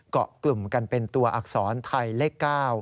เกาะกลุ่มกันเป็นตัวอักษรไทยเลข๙